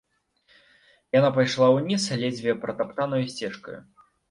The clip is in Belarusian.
Яна пайшла ўніз ледзьве пратаптанаю сцежкаю.